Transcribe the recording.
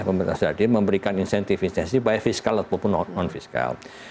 pemerintah saudi memberikan insentif insentif baik fiskal ataupun non fiskal